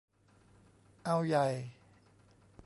เอาใหญ่